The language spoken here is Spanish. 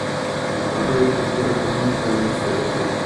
Fondo de Cultura Económica de Buenos Aires.